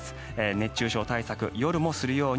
熱中症対策、夜もするように。